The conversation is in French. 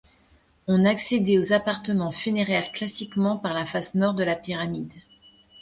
On accédait aux appartements funéraires classiquement par la face nord de la pyramide.